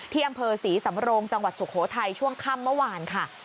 ที่อำเภอศรีสำโรงจังหวัดสุโขทัยช่วงค่ำเมื่อวานค่ะ